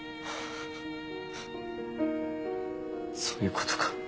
そういうことか。